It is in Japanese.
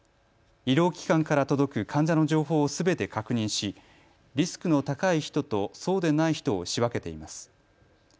医療機関から届く患者の情報をすべて確認しリスクの高い人とそうでない人を仕分けています。